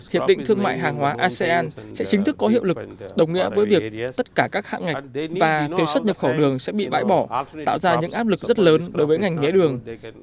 hiệp định thương mại hàng hóa asean sẽ chính thức có hiệu lực đồng nghĩa với việc tất cả các hạng ngạch và tiêu xuất nhập khẩu đường sẽ bị bãi bỏ tạo ra những áp lực rất lớn đối với ngành mía đường